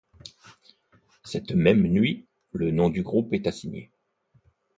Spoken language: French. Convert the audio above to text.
Cette même nuit, le nom du groupe est assigné.